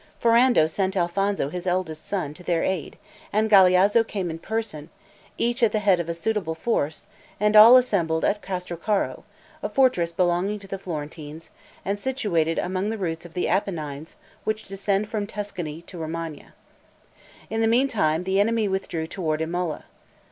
Ferrando sent Alfonso, his eldest son, to their aid, and Galeazzo came in person, each at the head of a suitable force, and all assembled at Castrocaro, a fortress belonging to the Florentines, and situated among the roots of the Appennines which descend from Tuscany to Romagna. In the meantime, the enemy withdrew toward Imola.